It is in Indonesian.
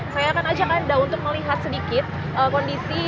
saya akan ajak anda untuk melihat sedikit kondisi